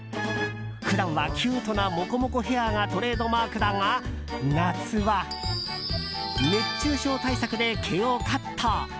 普段はキュートなもこもこヘアがトレードマークだが夏は、熱中症対策で毛をカット。